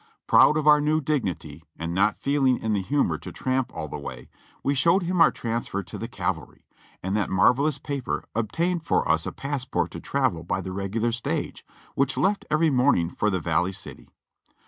Proud of our new dignity and not feeling in the humor to tramp all the way, we showed him our transfer to the cavalry, and that marvelous paper obtained for us a passport to travel by the regular stage which left every morning for the Valley City.